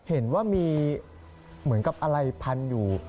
เห็นว่ามีเหมือนกับอะไรพันอยู่